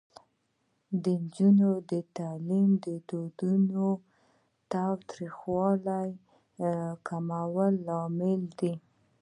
د نجونو تعلیم د ودونو تاوتریخوالي کمولو لامل دی.